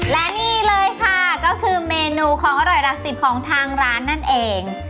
และนี่เลยค่ะก็คือเมนูของอร่อยหลักสิบของทางร้านนั่นเอง